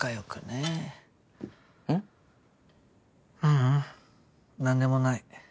ううん何でもない。